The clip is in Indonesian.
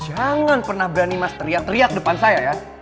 jangan pernah berani mas teriak teriak depan saya ya